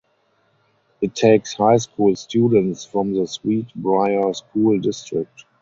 It takes high school students from the Sweet Briar School District.